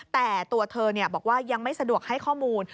แต่ตัวเธอบอกว่ายังไม่สะดวกให้ข้อมูล